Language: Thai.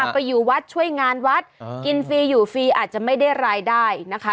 ไปอยู่วัดช่วยงานวัดกินฟรีอยู่ฟรีอาจจะไม่ได้รายได้นะคะ